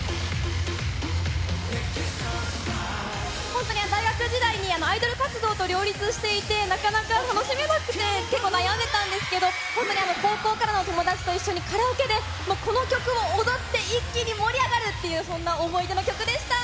本当に大学時代にアイドル活動と両立していて、なかなか楽しめなくて、結構悩んでたんですけど、本当に高校からの友達と一緒にカラオケで、この曲を踊って、一気に盛り上がるという、そんな思い出の曲でした。